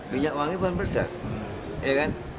binyak wangi bahan peledak iya kan